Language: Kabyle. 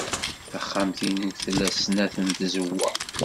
Taxxamt-inu tla snat n tzewwa.